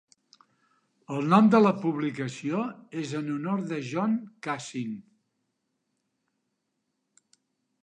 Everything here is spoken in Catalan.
El nom de la publicació és en honor de John Cassin.